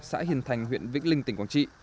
xã hiền thành huyện vĩnh linh tỉnh quảng trị